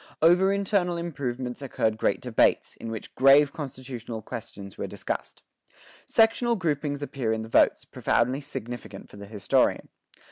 Over internal improvements occurred great debates, in which grave constitutional questions were discussed. Sectional groupings appear in the votes, profoundly significant for the historian.